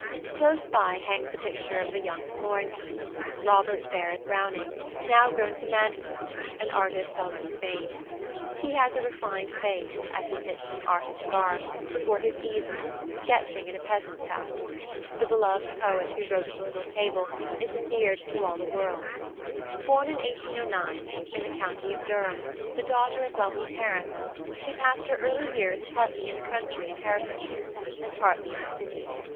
Close by hangs a picture of the "young Florentine," Robert Barrett Browning, now grown to manhood, an artist already famed. He has a refined face, as he sits in artist garb, before his easel, sketching in a peasant's house. The beloved poet who wrote at the little table, is endeared to all the world. Born in 1809, in the county of Durham, the daughter of wealthy parents, she passed her early years partly in the country in Herefordshire, and partly in the city.